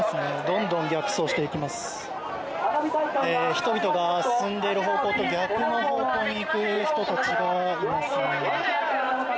人々が進んでいる方向と逆の方向に行く人がいますね。